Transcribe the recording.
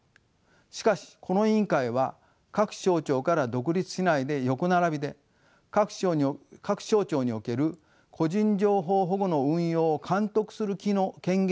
しかしこの委員会は各省庁から独立しないで横並びで各省庁における個人情報保護の運用を監督する権限にとどまりました。